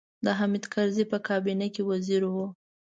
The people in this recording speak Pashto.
د حامد کرزي په کابینه کې وزیر و.